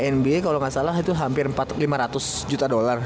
nba kalo gak salah itu hampir lima ratus juta dollar